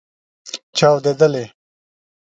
چاودیدلې